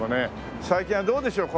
最近はどうでしょう？